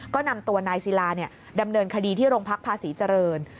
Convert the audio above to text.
ก็นำตัวนายศิลาดำเนินคดีที่โรงพักภาษีเจริญ